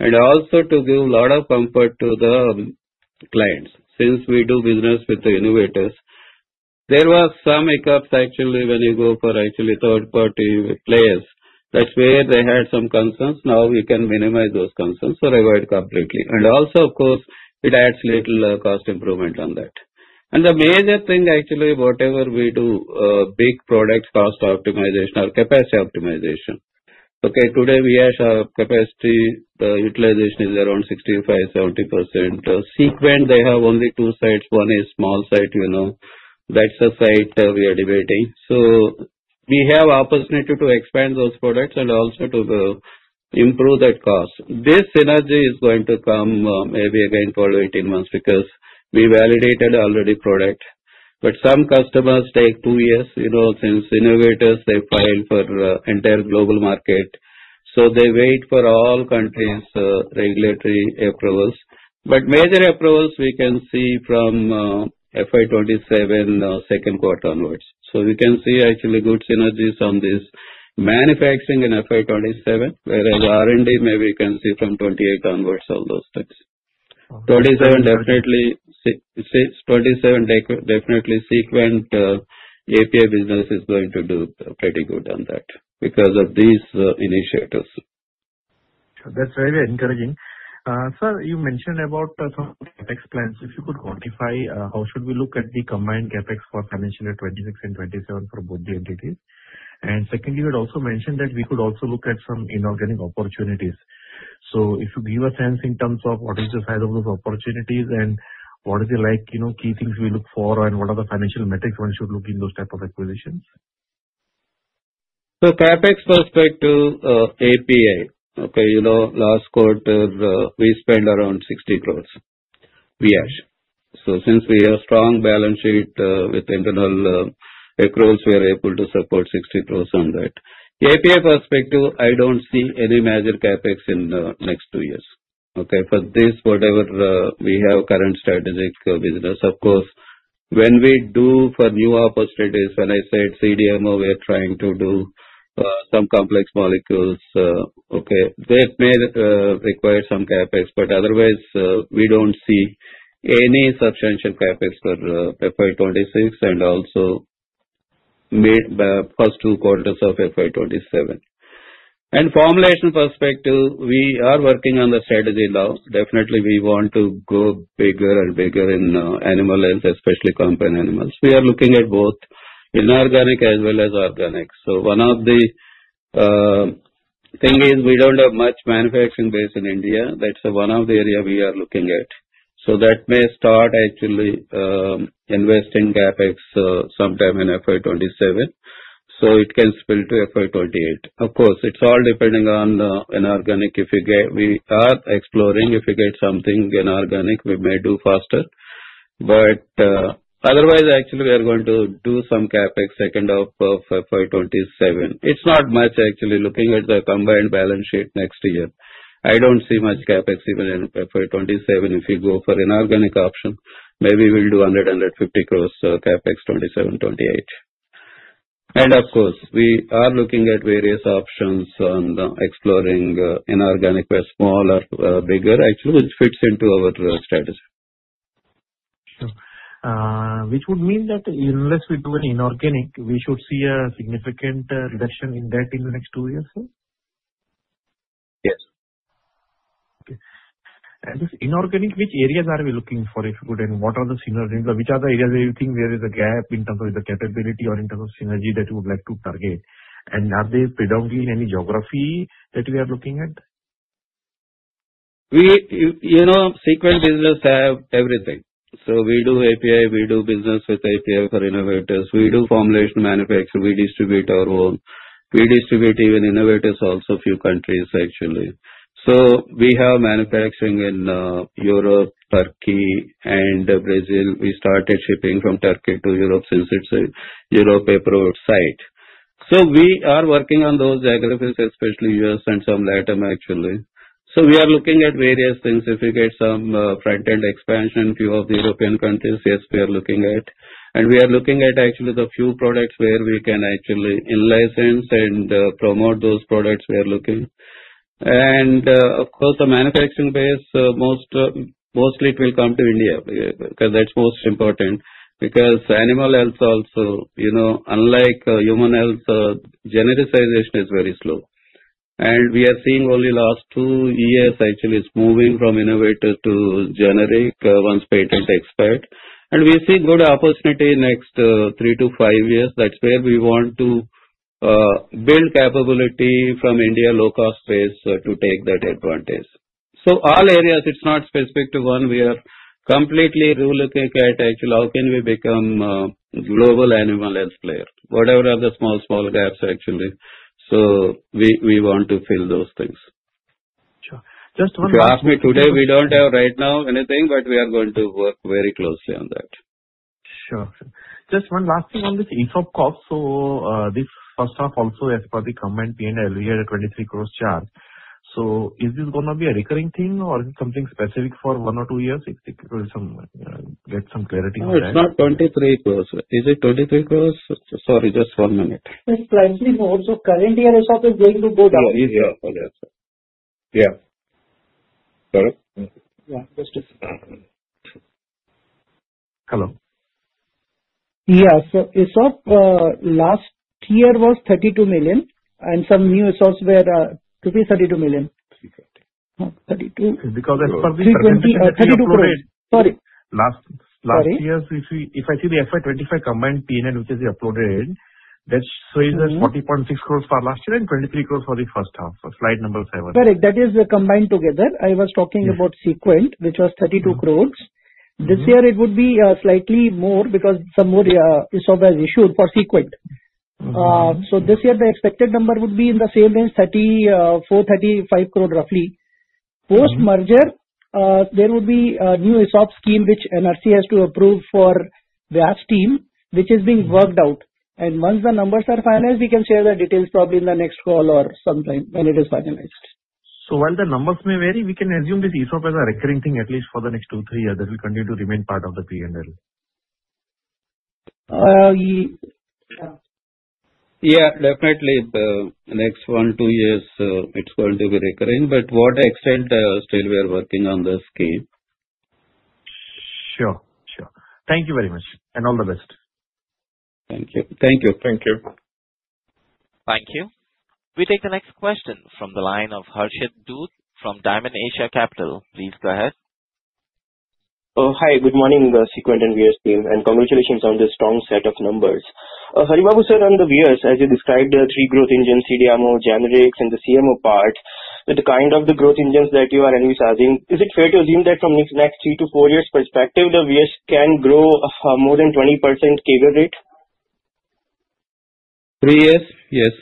and also to give lot of comfort to the clients. Since we do business with the innovators, there was some hiccups actually when you go for third-party players. That's where they had some concerns. Now we can minimize those concerns or avoid completely. Also, of course, it adds little cost improvement on that. The major thing actually, whatever we do, big product cost optimization or capacity optimization. Okay, today Viyash capacity utilization is around 65%-70%. SeQuent, they have only two sites. One is small site. That's the site we are developing. We have opportunity to expand those products and also to improve that cost. This synergy is going to come maybe again 12-18 months because we validated already product. Some customers take two years. Since innovators, they file for entire global market, so they wait for all countries' regulatory approvals. Major approvals we can see from FY 2027 second quarter onwards. We can see actually good synergies on this manufacturing in FY 2027, whereas R&D, maybe you can see from 2028 onwards all those things. 27 definitely SeQuent API business is going to do pretty good on that because of these initiators. Sure. That's very encouraging. Sir, you mentioned about some CapEx plans. If you could quantify, how should we look at the combined CapEx for financial year 2026 and 2027 for both the entities? Secondly, you had also mentioned that we could also look at some inorganic opportunities. If you give a sense in terms of what is the size of those opportunities and what is it like, key things we look for, and what are the financial metrics one should look in those type of acquisitions. CapEx perspective, API. Last quarter, we spent around 60 crore, Viyash. Since we have strong balance sheet with internal accruals, we are able to support 60 crore on that. API perspective, I don't see any major CapEx in the next two years for this, whatever we have current strategic business. Of course, when we do for new opportunities, when I said CDMO, we are trying to do some complex molecules that may require some CapEx, but otherwise, we don't see any substantial CapEx for FY 2026 and also first two quarters of FY 2027. Formulation perspective, we are working on the strategy now. Definitely, we want to go bigger and bigger in animal health, especially companion animals. We are looking at both inorganic as well as organic. One of the thing is we don't have much manufacturing base in India. That's one of the area we are looking at. That may start actually investing CapEx sometime in FY 2027, it can spill to FY 2028. Of course, it's all depending on the inorganic. We are exploring. If we get something inorganic, we may do faster. Otherwise, actually, we are going to do some CapEx second half of FY 2027. It's not much actually. Looking at the combined balance sheet next year, I don't see much CapEx even in FY 2027. If we go for inorganic option, maybe we'll do 100 crore, 150 crore CapEx 2027, 2028. Of course, we are looking at various options on exploring inorganic, whether small or bigger, actually, which fits into our strategy. Sure. Which would mean that unless we do an inorganic, we should see a significant reduction in debt in the next two years, sir? Yes. Okay. This inorganic, which areas are we looking for, if you could? What are the synergy, which are the areas where you think there is a gap in terms of the capability or in terms of synergy that you would like to target? Are they predominantly any geography that we are looking at? SeQuent business have everything. We do API, we do business with API for innovators. We do formulation manufacturing. We distribute our own. We distribute even innovators also, few countries, actually. We have manufacturing in Europe, Turkey, and Brazil. We started shipping from Turkey to Europe since it's a Europe approved site. We are working on those geographies, especially U.S. and some LATAM actually. We are looking at various things. If we get some front-end expansion, few of the European countries, yes, we are looking at. We are looking at actually the few products where we can actually in-license and promote those products we are looking. Of course, the manufacturing base, mostly it will come to India, because that's most important. Because animal health also, unlike human health, genericization is very slow. We are seeing only last two years actually it's moving from innovator to generic once patent expired. We see good opportunity next three to five years. That's where we want to build capability from India low-cost space to take that advantage. All areas, it's not specific to one. We are completely looking at how can we become a global animal health player. Whatever are the small gaps actually, we want to fill those things. Sure. If you ask me today, we don't have right now anything, but we are going to work very closely on that. Sure. Just one last thing on this ESOP cost. This first half also, as per the combined P&L, we had a 23 crore charge. Is this going to be a recurring thing or is it something specific for one or two years? If we could get some clarity on that. No, it's not 23 crores. Is it 23 crores? Sorry, just one minute. It's slightly more. Current year ESOP is going to be. Yeah. Correct? Yeah. That's it. Hello. Yeah. ESOP last year was 32 million, and some new ESOPs were to be 32 million. Because as per the. INR 320, INR 32 crores. Sorry. If I see the FY 2025 combined P&L, which is uploaded, that's showing the 40.6 crores for last year and 23 crores for the first half of slide number seven. Correct. That is combined together. I was talking about SeQuent, which was 32 crores. This year it would be slightly more because some more ESOP has issued for SeQuent. This year the expected number would be in the same range, 34 crore-35 crore roughly. Post-merger there would be a new ESOP scheme which NRC has to approve for Viyash team, which is being worked out. Once the numbers are finalized, we can share the details probably in the next call or sometime when it is finalized. While the numbers may vary, we can assume this ESOP as a recurring thing, at least for the next two, three years, that will continue to remain part of the P&L. Yeah. Yeah, definitely the next one, two years it's going to be recurring, but what extent, still we are working on the scale. Sure. Thank you very much, and all the best. Thank you. Thank you. Thank you. Thank you. We take the next question from the line of Harshit Dhoot from Dymon Asia Capital. Please go ahead. Hi, good morning, SeQuent and Viyash team. Congratulations on the strong set of numbers. Haribabu sir, on the Viyash, as you described the three growth engines, CDMO, generics, and the CMO part, with the kind of the growth engines that you are envisaging, is it fair to assume that from next three to four years perspective, the Viyash can grow more than 20% CAGR rate? Three years, yes.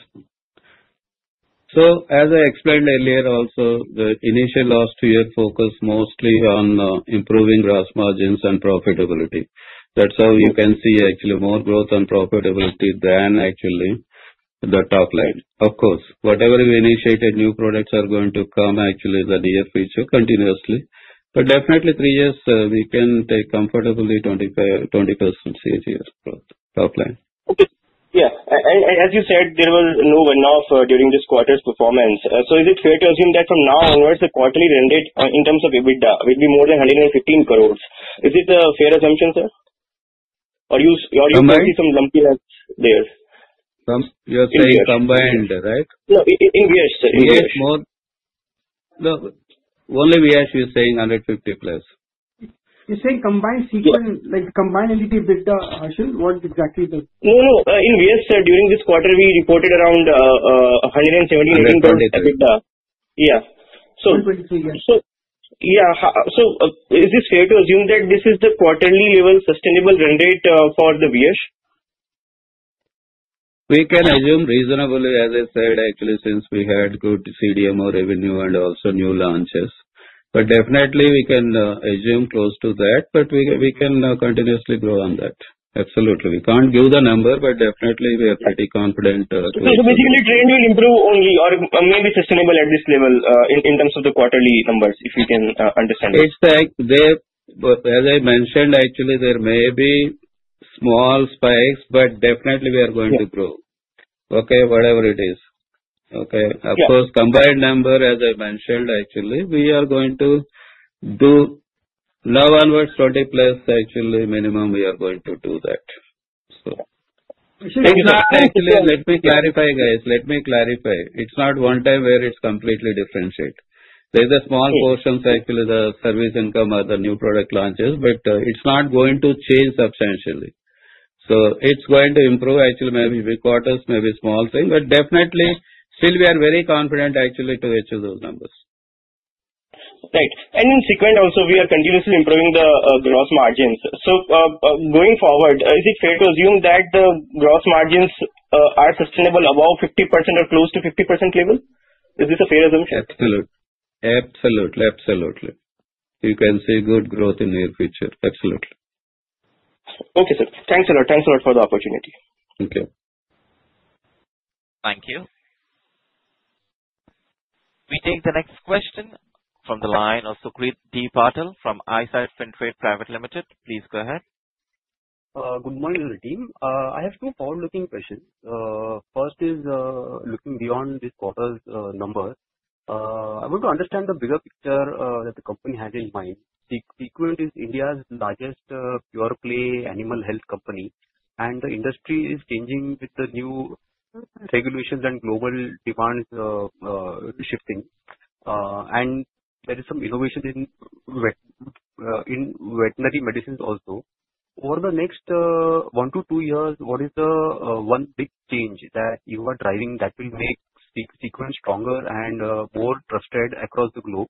As I explained earlier also, the initial last year focused mostly on improving gross margins and profitability. That's how you can see actually more growth on profitability than actually the top line. Of course, whatever we initiated, new products are going to come actually the near future continuously. Definitely three years we can take comfortably 20% CAGR growth top line. Okay. Yeah. As you said, there was no one-off during this quarter's performance. Is it fair to assume that from now onwards, the quarterly run rate in terms of EBITDA will be more than INR 115 crores? Is it a fair assumption, sir? You see some lumpiness there? You're saying combined, right? No, in Viyash, sir. In Viyash. No. Only Viyash you're saying 150 plus. He's saying combined SeQuent, like combined entity EBITDA, Harshit. No. In Viyash, sir, during this quarter, we reported around INR 178 crores EBITDA. 178. Yeah. 123. Is it fair to assume that this is the quarterly level sustainable rendite for the Viyash? We can assume reasonably, as I said, actually, since we had good CDMO revenue and also new launches. Definitely we can assume close to that, but we can continuously grow on that. Absolutely. We can't give the number, but definitely we are pretty confident. Basically trend will improve only or may be sustainable at this level in terms of the quarterly numbers, if we can understand? It's like, as I mentioned, actually, there may be small spikes, but definitely we are going to grow, okay, whatever it is. Okay. Yeah. Of course, combined number, as I mentioned, actually, we are going to do now onwards 20+ actually minimum we are going to do that. Harsht. Actually, let me clarify, guys. Let me clarify. It's not one time where it's completely differentiate. There's a small portion, actually the service income or the new product launches, but it's not going to change substantially. It's going to improve actually, maybe big quarters, maybe small thing, but definitely still we are very confident actually to achieve those numbers. Right. In SeQuent also, we are continuously improving the gross margins. Going forward, is it fair to assume that the gross margins are sustainable above 50% or close to 50% level? Is this a fair assumption? Absolutely. You can see good growth in near future. Absolutely. Okay, sir. Thanks a lot. Thanks a lot for the opportunity. Okay. Thank you. We take the next question from the line of Sukrit D. Patel from Eyesight Fintrade Private Limited. Please go ahead. Good morning, team. I have two forward-looking questions. First is, looking beyond this quarter's numbers, I want to understand the bigger picture that the company has in mind. SeQuent is India's largest pure-play animal health company, and the industry is changing with the new regulations and global demands shifting. There is some innovation in veterinary medicines also. Over the next one to two years, what is the one big change that you are driving that will make SeQuent stronger and more trusted across the globe?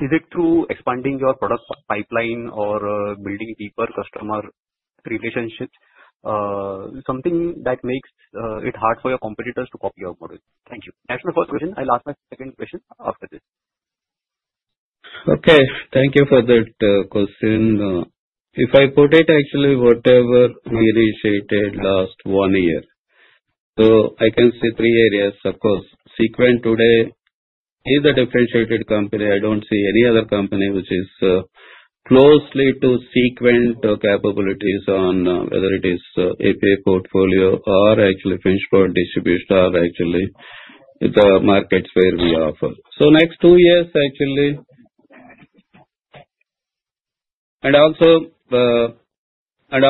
Is it through expanding your product pipeline or building deeper customer relationships, something that makes it hard for your competitors to copy your model? Thank you. That's my first question. I'll ask my second question after this. Okay. Thank you for that question. If I put it, whatever we initiated last one year. I can say three areas, of course. Viyash Scientific today is a differentiated company. I don't see any other company which is close to Viyash Scientific capabilities on whether it is API portfolio or finished product distribution or the markets where we offer. Next two years. Also, as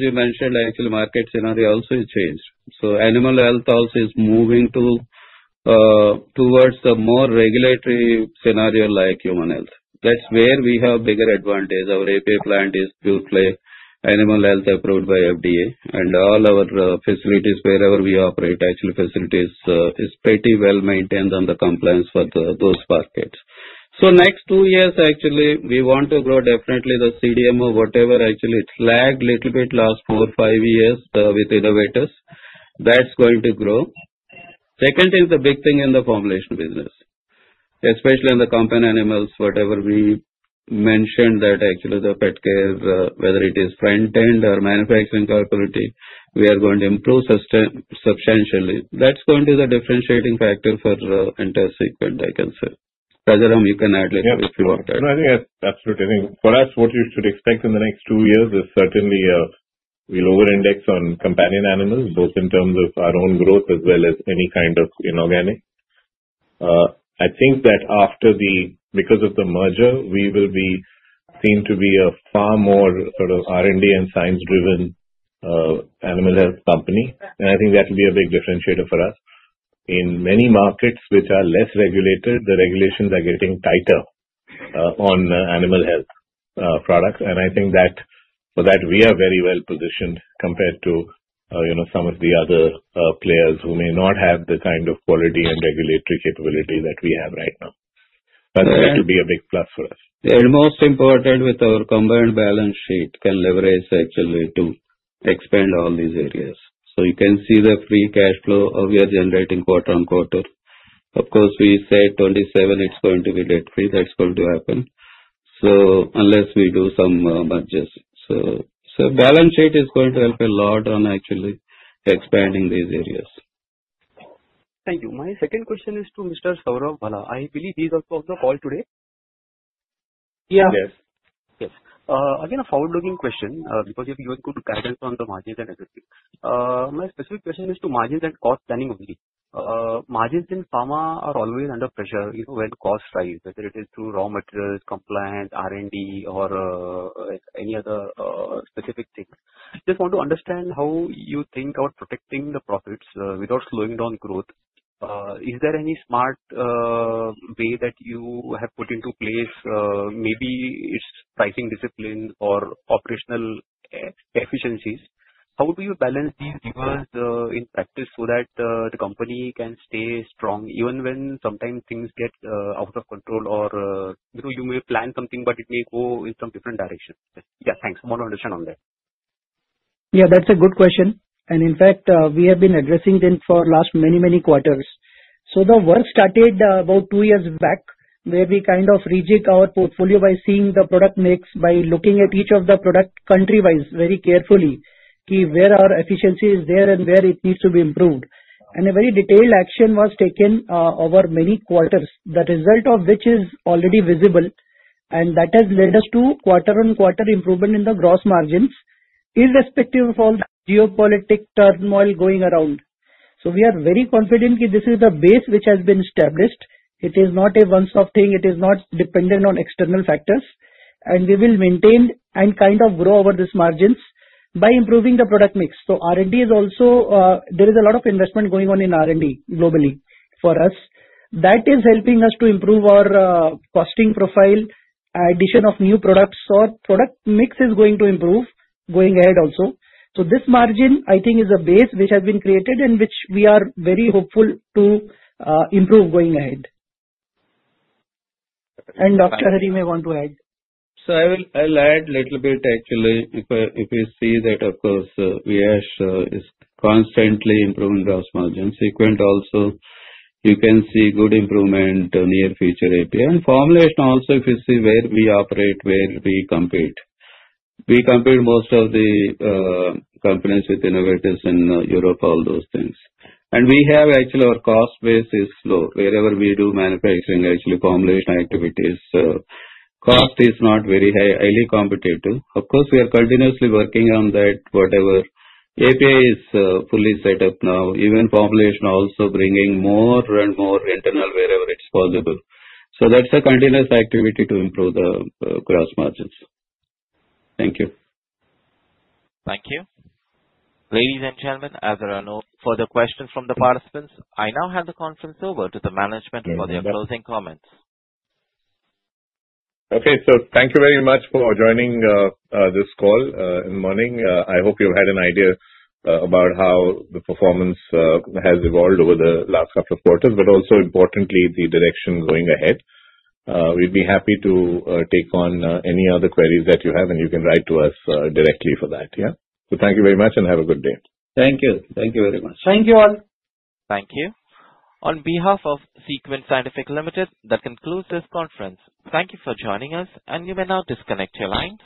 you mentioned, market scenario also is changed. Animal health also is moving towards a more regulatory scenario like human health. That's where we have bigger advantage. Our API plant is pure play, animal health approved by FDA, and all our facilities, wherever we operate, facilities are pretty well-maintained on the compliance for those markets. Next two years, actually, we want to grow definitely the CDMO or whatever actually it lagged little bit last four, five years with innovators. That's going to grow. Second thing is the big thing in the formulation business, especially in the companion animals, whatever we mentioned that actually the pet care, whether it is front-end or manufacturing capability, we are going to improve substantially. That's going to be the differentiating factor for entire SeQuent, I can say. Rajaram, you can add little bit if you want to. Yes. No, I think that's absolutely. For us, what you should expect in the next two years is certainly we'll over-index on companion animals, both in terms of our own growth as well as any kind of inorganic. I think that because of the merger, we will be seen to be a far more sort of R&D and science-driven animal health company. I think that will be a big differentiator for us. In many markets which are less regulated, the regulations are getting tighter on animal health products, and I think that for that, we are very well-positioned compared to some of the other players who may not have the kind of quality and regulatory capability that we have right now. That will be a big plus for us. Most important with our combined balance sheet can leverage actually to expand all these areas. You can see the free cash flow we are generating quarter on quarter. Of course, we said 2027, it's going to be debt-free. That's going to happen. Unless we do some mergers. Balance sheet is going to help a lot on actually expanding these areas. Thank you. My second question is to Mr. Saurav Bhala. I believe he is also on the call today. Yeah. Yes. Yes. Again, a forward-looking question, because if you include guidance on the margins and everything. My specific question is to margins and cost planning only. Margins in pharma are always under pressure when costs rise, whether it is through raw materials, compliance, R&D or any other specific things. Just want to understand how you think about protecting the profits without slowing down growth. Is there any smart way that you have put into place? Maybe it's pricing discipline or operational efficiencies. How do you balance these levers in practice so that the company can stay strong even when sometimes things get out of control or you may plan something, but it may go in some different direction? Yeah, thanks. I want to understand on that. Yeah, that's a good question. In fact, we have been addressing them for last many, many quarters. The work started about two years back, where we kind of rejig our portfolio by seeing the product mix, by looking at each of the product country-wise very carefully, where our efficiency is there and where it needs to be improved. A very detailed action was taken over many quarters, the result of which is already visible, and that has led us to quarter-on-quarter improvement in the gross margins irrespective of all the geopolitical turmoil going around. We are very confident this is the base which has been established. It is not a once-off thing. It is not dependent on external factors. We will maintain and kind of grow over these margins by improving the product mix. There is a lot of investment going on in R&D globally for us. That is helping us to improve our costing profile. Addition of new products or product mix is going to improve going ahead also. This margin, I think, is a base which has been created and which we are very hopeful to improve going ahead. Dr. Haribabu may want to add. I'll add little bit actually. If you see that, of course, Viyash is constantly improving gross margin. SeQuent also you can see good improvement near future API. Formulation also, if you see where we operate, where we compete. We compete most of the companies with innovators in Europe, all those things. We have actually our cost base is low. Wherever we do manufacturing, actually formulation activities, cost is not very high, highly competitive. Of course, we are continuously working on that, whatever API is fully set up now. Even formulation also bringing more and more internal wherever it's possible. That's a continuous activity to improve the gross margins. Thank you. Thank you. Ladies and gentlemen, as there are no further questions from the participants, I now hand the conference over to the management for their closing comments. Okay. Thank you very much for joining this call in the morning. I hope you had an idea about how the performance has evolved over the last couple of quarters, but also importantly, the direction going ahead. We'd be happy to take on any other queries that you have, and you can write to us directly for that, yeah. Thank you very much and have a good day. Thank you. Thank you very much. Thank you all. Thank you. On behalf of SeQuent Scientific Limited, that concludes this conference. Thank you for joining us, and you may now disconnect your lines.